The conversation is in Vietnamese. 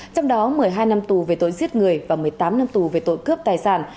trong đó một mươi hai năm tù về tội giết người và một mươi tám năm tù về tội cướp tài sản